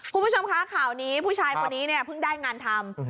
คุณผู้ชมคะข่าวนี้ผู้ชายคนนี้เนี่ยเพิ่งได้งานทำ